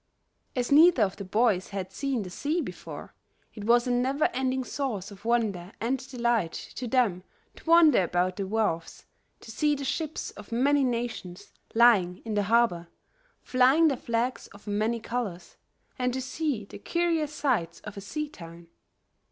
As neither of the boys had seen the sea before, it was a never ending source of wonder and delight to them to wander about the wharves, to see the ships of many nations lying in the harbor, flying their flags of many colors, and to see the curious sights of a sea town.